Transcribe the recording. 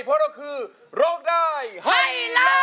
เพราะว่าคือโรคได้ให้ล้อ